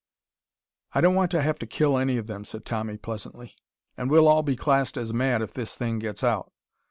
"I don't want to have to kill any of them," said Tommy pleasantly, "and we'll all be classed as mad if this thing gets out.